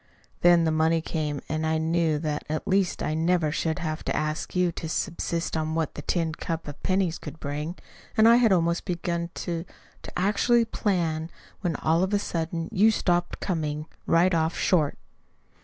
Then the money came and I knew that at least I never should have to ask you to subsist on what the tin cup of pennies could bring! And I had almost begun to to actually plan, when all of a sudden you stopped coming, right off short."